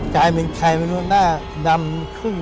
กลายเป็นใครไม่รู้หน้าดำครึ่ง